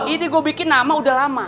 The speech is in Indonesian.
ini gue bikin nama udah lama